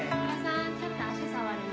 「ちょっと足触るね」